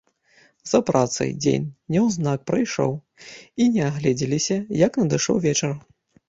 За працай дзень няўзнак прайшоў, і не агледзеліся, як надышоў вечар.